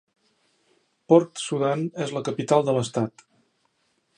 Port Sudan és la capital de l'estat.